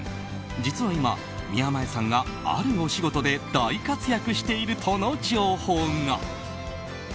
実は今、宮前さんがあるお仕事で大活躍しているとの情報が。